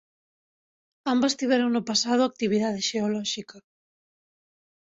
Ambas tiveron no pasado actividade xeolóxica.